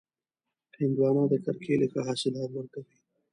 هندوانه د کرکېلې ښه حاصلات ورکوي.